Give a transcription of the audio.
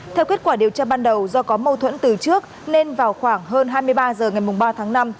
theo kết quả điều tra ban đầu do có mâu thuẫn từ trước nên vào khoảng hơn hai mươi ba h ngày ba tháng năm